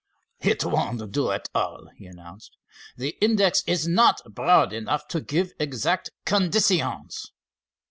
"It won't do at all," he announced. "The index is not broad enough to give exact conditions."